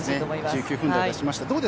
１９分台出しました。